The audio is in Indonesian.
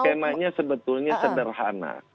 skemanya sebetulnya sederhana